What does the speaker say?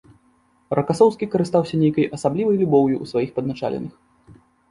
Ракасоўскі карыстаўся нейкай асаблівай любоўю ў сваіх падначаленых.